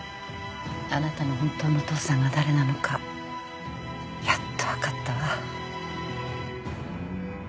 あなたの本当のお父さんが誰なのかやっと分かったわ。